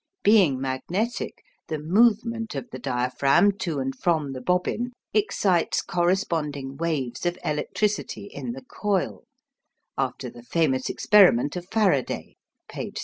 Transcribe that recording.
Being magnetic, the movement of the diaphragm to and from the bobbin excites corresponding waves of electricity in the coil, after the famous experiment of Faraday (page 64).